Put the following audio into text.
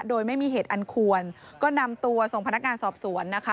โดยไม่มีเหตุอันควรก็นำตัวส่งพนักงานสอบสวนนะคะ